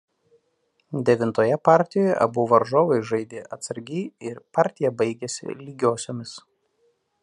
Devintoje partijoje abu varžovai žaidė atsargiai ir partija baigėsi lygiosiomis.